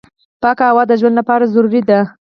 پاکه هوا د ژوند لپاره ضروري ده.